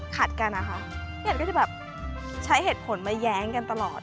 ขัดกันนะคะเนี่ยก็จะแบบใช้เหตุผลมาแย้งกันตลอด